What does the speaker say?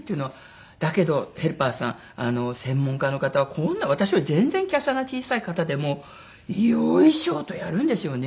だけどヘルパーさん専門家の方はこんな私より全然華奢な小さい方でもよいしょ！とやるんですよね。